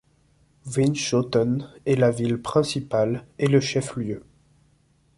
Winschoten est la ville principale et le chef-lieu.